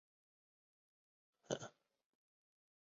马纽和她的一个深陷毒瘾的女性朋友被三个男人强奸。